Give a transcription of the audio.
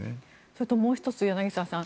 それともう１つ柳澤さん